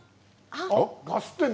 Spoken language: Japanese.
あっ。